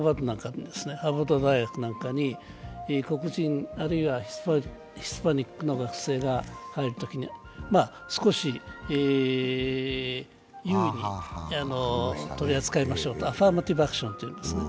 ハーバード大学なんかに、黒人、あるいはヒスパニックの学生が入るときには少し有利に取り扱いましょうと、アファーマティブ・アクションといいますね。